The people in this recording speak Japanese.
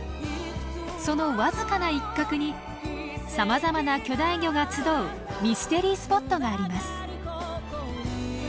その僅かな一角にさまざまな巨大魚が集うミステリースポットがあります。